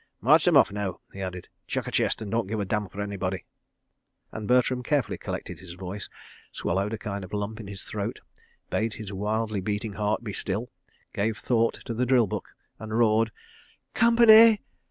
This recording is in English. ..." "March 'em off, now," he added. "Chuck a chest, and don't give a damn for anybody," and Bertram carefully collected his voice, swallowed a kind of lump in his throat, bade his wildly beating heart be still, gave thought to the drill book, and roared: "Company!